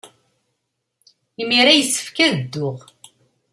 Imir-a yessefk ad dduɣ.